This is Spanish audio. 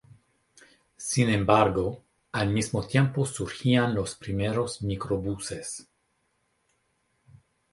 Sin embargo, al mismo tiempo surgían los primeros microbuses.